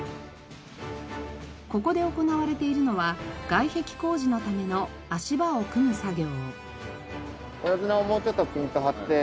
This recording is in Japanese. ここで行われているのは外壁工事のための足場を組む作業。